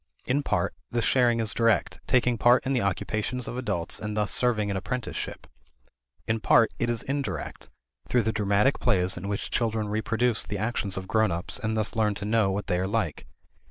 In part, this sharing is direct, taking part in the occupations of adults and thus serving an apprenticeship; in part, it is indirect, through the dramatic plays in which children reproduce the actions of grown ups and thus learn to know what they are like.